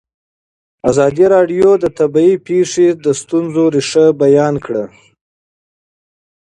ازادي راډیو د طبیعي پېښې د ستونزو رېښه بیان کړې.